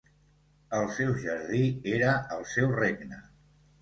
El seu jardí era el seu regne.